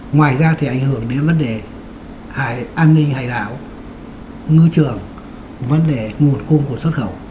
ngoài ra thì ảnh hưởng đến vấn đề an ninh hải đảo ngư trường vấn đề nguồn cung của xuất khẩu